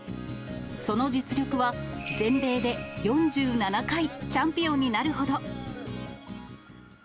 その実力は、全米で４７回チャンピオンになるほど。